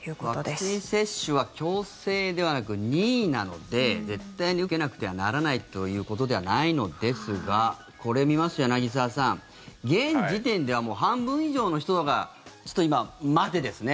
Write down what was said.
ワクチン接種は強制ではなく任意なので絶対に受けなくてはならないということではないのですがこれ見ますと、柳澤さん現時点では半分以上の人がちょっと今、待てですね。